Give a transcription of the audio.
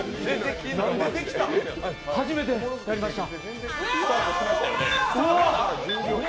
初めてやりました。